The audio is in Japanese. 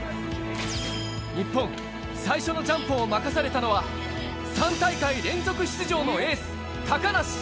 日本、最初のジャンプを任されたのは、３大会連続出場のエース、高梨。